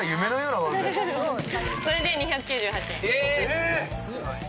これで２９８円。